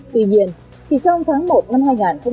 tuy nhiên chỉ trong tháng một năm hai nghìn hai mươi